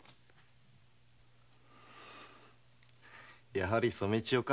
やはり染千代か。